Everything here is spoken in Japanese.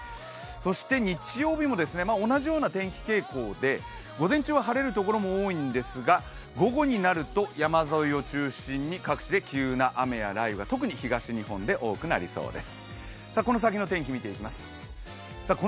そして日曜日も同じような天気傾向で午前中は晴れるところも多いんですが午後になると山沿いを中心に各地で急な雨や雷雨が特に東日本で多くなりそうです。